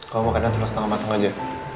kau makan dengan tulis tangan matang aja